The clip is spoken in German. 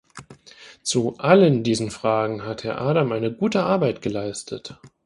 Zu allen diesen Fragen hat Herr Adam eine gute Arbeit geleistet.